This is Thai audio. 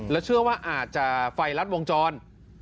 เชื่อว่าอาจจะไฟรัดวงจร